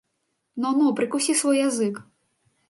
Но, но, прыкусі свой язык.